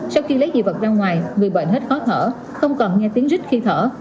sau khi lấy dị vật ra ngoài người bệnh hết khó thở không cần nghe tiếng rít khi thở